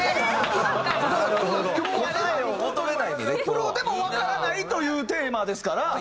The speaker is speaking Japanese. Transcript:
プロでもわからないというテーマですから。